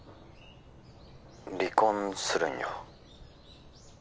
☎離婚するんよ